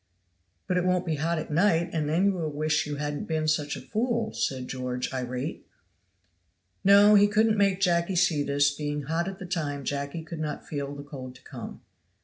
"But it won't be hot at night, and then you will wish you hadn't been such a fool," said George, irate. No, he couldn't make Jacky see this; being hot at the time Jacky could not feel the cold to come.